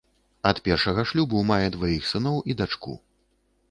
Ад першага шлюбу мае дваіх сыноў і дачку.